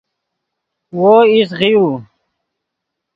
وو ایست غیؤو